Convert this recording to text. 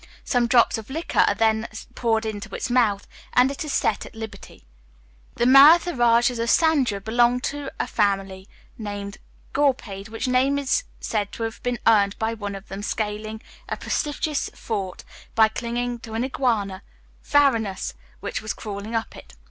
Some drops of liquor are then poured into its mouth, and it is set at liberty. The Maratha Rajas of Sandur belong to a family called Ghorpade, which name is said to have been earned by one of them scaling a precipitous fort by clinging to an "iguana" (Varanus), which was crawling up it.